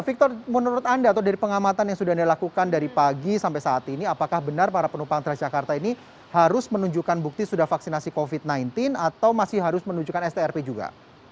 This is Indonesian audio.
victor menurut anda atau dari pengamatan yang sudah anda lakukan dari pagi sampai saat ini apakah benar para penumpang transjakarta ini harus menunjukkan bukti sudah vaksinasi covid sembilan belas atau masih harus menunjukkan strp juga